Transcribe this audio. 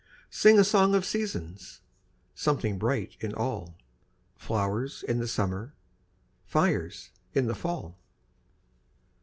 Sing a song of seasons! Something bright in all! Flowers in the summer, Fires in the fall!